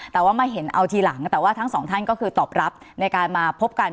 แต่ว่าไม่เห็นเอาทีหลังแต่ว่าทั้งสองท่านก็คือตอบรับในการมาพบกัน